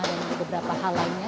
dan beberapa hal lainnya